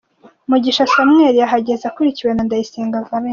Mugisha Samuel yahageze akurikiwe na Ndayisenga Valens .